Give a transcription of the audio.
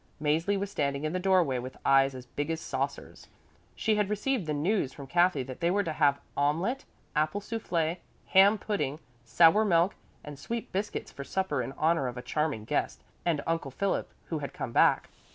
Mäzli was standing in the doorway with eyes as big as saucers. She had received the news from Kathy that they were to have omelette apple soufflé, ham pudding, sour milk and sweet biscuits for supper in honour of a charming guest and Uncle Philip, who had come back.